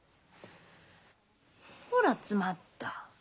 ほら詰まった。